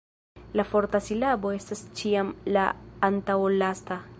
La forta silabo estas ĉiam la antaŭlasta.